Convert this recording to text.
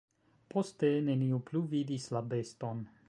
Poste neniu plu vidis la beston.